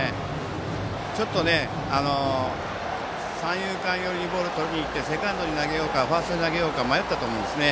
ちょっと三遊間寄りにボールをとりに行ってセカンドに投げようかファーストに投げようか迷ったと思うんですね。